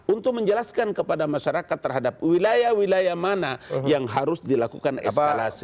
untuk menjelaskan kepada masyarakat terhadap wilayah wilayah mana yang harus dilakukan eskalasi